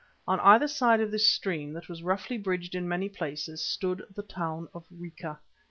On either side of this stream that was roughly bridged in many places stood the town of Rica.